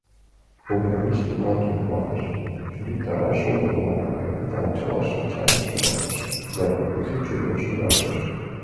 Пограничник-влакым умбакыже чуриктараш огыл манын, капитан чылаштым чарен шогалтыш да воктекше чумырен шогалтыш.